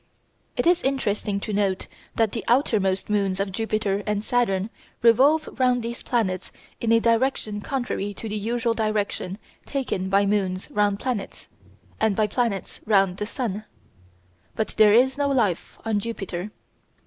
It is interesting to note that the outermost moons of Jupiter and Saturn revolve round these planets in a direction contrary to the usual direction taken by moons round planets, and by planets round the sun. But there is no life on Jupiter.